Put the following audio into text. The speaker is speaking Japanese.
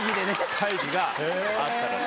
会議があったらしい。